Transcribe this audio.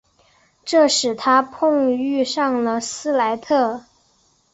这使他碰遇上了斯莱特。